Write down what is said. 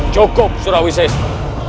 cukup surawi sesu